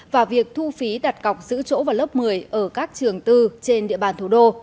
và việc thu phí đặt cọc giữ chỗ vào lớp một mươi ở các trường tư trên địa bàn thủ đô